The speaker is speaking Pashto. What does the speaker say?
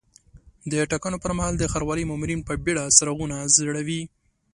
د ټاکنو پر مهال د ښاروالۍ مامورین په بیړه څراغونه ځړوي.